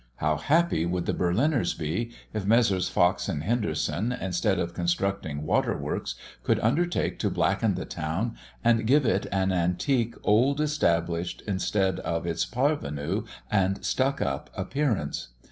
How happy would the Berliners be, if Messrs. Fox and Henderson, instead of constructing waterworks, could undertake to blacken the town, and give it an antique old established, instead of its parvenu and stuck up, appearance.